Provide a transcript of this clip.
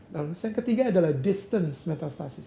dan yang ketiga adalah distance metastasis